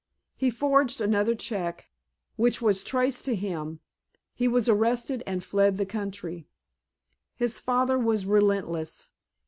He forged another check, which was traced to him, he was arrested, and fled the country. His father was relentless.